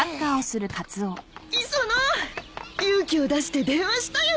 磯野勇気を出して電話したよ。